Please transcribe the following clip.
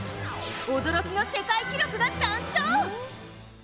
驚きの世界記録が誕生！